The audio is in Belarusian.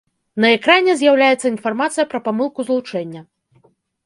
На экране з'яўляецца інфармацыя пра памылку злучэння.